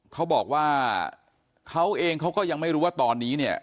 เขาบอกว่าเขาเองเขาก็ยังไม่รู้ว่าตอนนี้เนี่ย